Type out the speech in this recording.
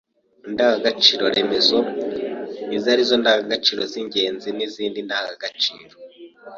indangagaciro remezo ari zo ndangagaciro z’ingenzi n’izindi ndangagaciro